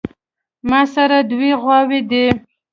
ماسره دوې غواوې دي